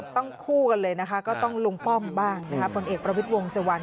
ต้องผู้เลยนะคะก็ต้องลงป้อมบ้างพลเอกประวิดวงสวรรค์